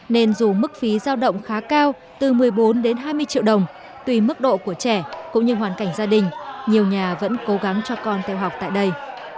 nên dù mức phí giao động khá cao từ một mươi bốn đến hai mươi triệu đồng tùy mức độ của trẻ cũng như hoàn cảnh gia đình nhiều nhà vẫn cố gắng cho con theo học tại đây